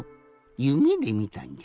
夢でみたんじゃ。